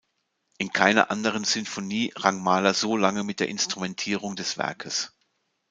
In keiner anderen Sinfonie rang Mahler so lange mit der Instrumentierung des Werkes.